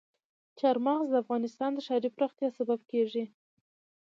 چار مغز د افغانستان د ښاري پراختیا سبب کېږي.